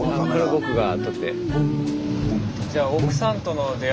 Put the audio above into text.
僕が撮って。